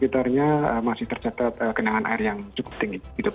sementaranya masih tercatat kenangan air yang cukup tinggi